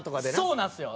そうなんですよ。